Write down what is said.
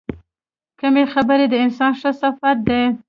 کمې خبرې، د انسان ښه صفت دی.